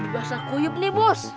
basah kuyuk nih bos